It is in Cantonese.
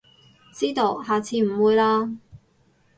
知道，下次唔會喇